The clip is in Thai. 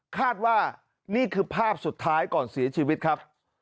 คาดว่านี่คือภาพสุดท้ายก่อนเสียชีวิตครับ